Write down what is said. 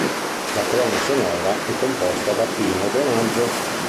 La colonna sonora è composta da Pino Donaggio.